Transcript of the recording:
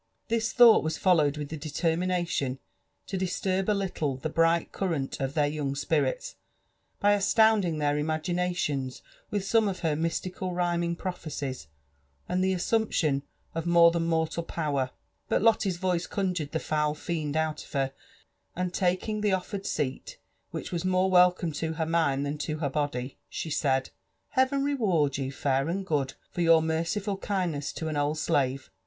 This thought was followed with the determination to disturb a little the bright current of their young spirits, by astounding their imaginations with some of her mystical rhyming prophecies, and the assumption of more than mortal power ; but Lotte's voice conjured the foul fiend out of her, and taking the oflered scat, which was more welcome to her mind than to her body, she said, " Heaven reward you, fair and good, for your merciful kindness to an old slave